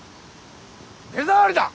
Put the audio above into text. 目障りだ。